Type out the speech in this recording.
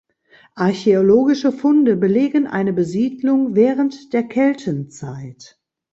Archäologische Funde belegen eine Besiedlung während der Keltenzeit.